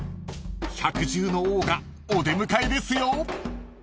［百獣の王がお出迎えですよ］